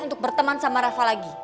untuk berteman sama rafa lagi